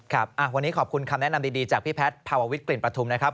ครับวันนี้ขอบคุณคำแนะนำดีจากพี่แพทย์ภาววิทกลิ่นประทุมนะครับ